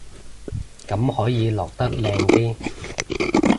咁可以落得靚啲